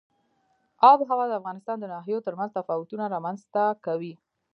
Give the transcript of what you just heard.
آب وهوا د افغانستان د ناحیو ترمنځ تفاوتونه رامنځ ته کوي.